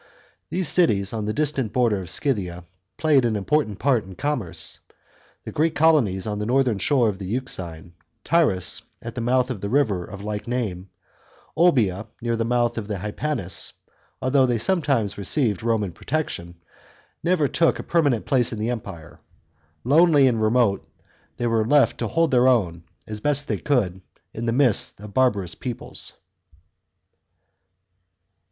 These cities on the distant border of Scythia played an important part in commerce. The Greek colonies on the northern shore of the Euxine, Tyras at the mouth of the river of like name, Olbia near the mouth of the Hypanis, although they sometimes received Roman protection, never took a permanent place in the Empire ; lonely and remote, they were left to hold their own, as best they could, in the midst of barbarous peoples.